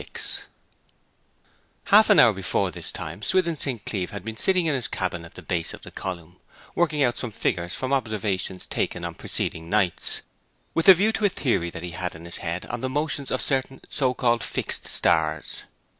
XXVI Half an hour before this time Swithin St. Cleeve had been sitting in his cabin at the base of the column, working out some figures from observations taken on preceding nights, with a view to a theory that he had in his head on the motions of certain so called fixed stars.